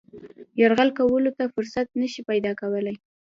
یرغل کولو ته فرصت نه شي پیدا کولای.